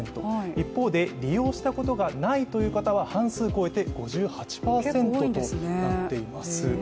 一方で利用したことがないという形は半数超えて５８％となっています。